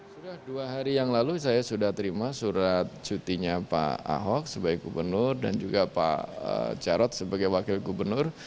sudah dua hari yang lalu saya sudah terima surat cutinya pak ahok sebagai gubernur dan juga pak jarod sebagai wakil gubernur